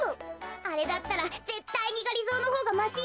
あれだったらぜったいにがりぞーのほうがましよ。